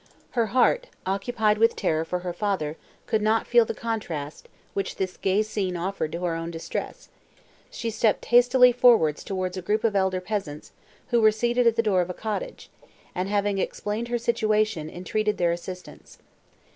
Her heart, occupied with terror for her father, could not feel the contrast, which this gay scene offered to her own distress; she stepped hastily forward towards a group of elder peasants, who were seated at the door of a cottage, and, having explained her situation, entreated their assistance.